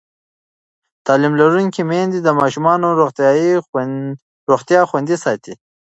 تعلیم لرونکې میندې د ماشومانو روغتیا خوندي ساتي.